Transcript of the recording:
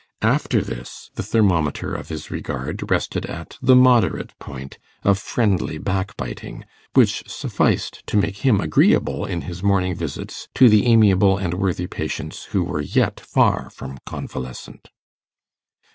After this, the thermometer of his regard rested at the moderate point of friendly backbiting, which sufficed to make him agreeable in his morning visits to the amiable and worthy persons who were yet far from convalescent.